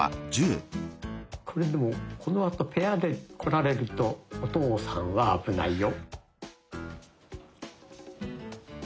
これでもこのあとペアで来られるとお父さんは危ないよ。